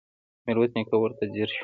ميرويس نيکه ورته ځير شو.